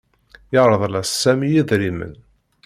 Yerḍel-s Sami idrimen.